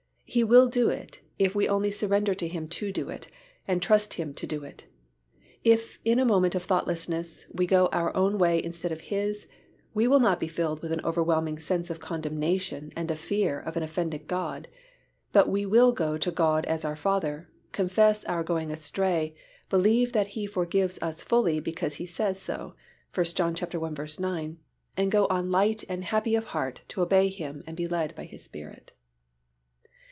He will do it if we only surrender to Him to do it and trust Him to do it. If in a moment of thoughtlessness, we go our own way instead of His, we will not be filled with an overwhelming sense of condemnation and of fear of an offended God, but we will go to God as our Father, confess our going astray, believe that He forgives us fully because He says so (1 John i. 9) and go on light and happy of heart to obey Him and be led by His Spirit.